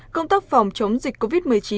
công tác phòng chống dịch covid một mươi chín